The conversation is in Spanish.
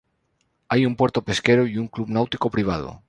Hay un puerto pesquero y un club náutico privado.